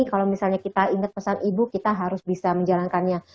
kalau misalnya kita ingat pesan ibu kita harus bisa menjalankannya